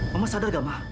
mama sadar nggak ma